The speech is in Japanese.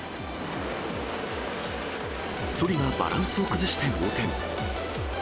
そりがバランスを崩して横転。